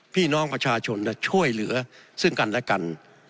พี่น้องประชาชนจะช่วยเหลือซึ่งกันและกัน